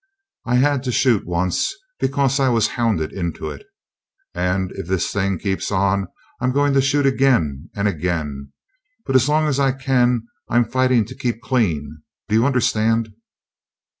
I had to shoot once, because I was hounded into it. And, if this thing keeps on, I'm going to shoot again and again. But as long as I can I'm fighting to keep clean, you understand?"